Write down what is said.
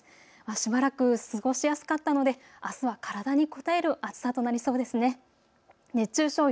しばらく過ごしやすかったのであすは体にこたえる暑さとなりそうです。